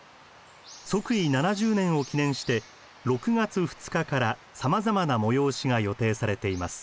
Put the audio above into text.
即位７０年を記念して６月２日からさまざまな催しが予定されています。